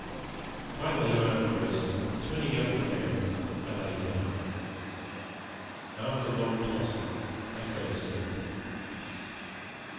Finally I undressed, and turning out the lamp, I lay down. After long tossing I fell asleep.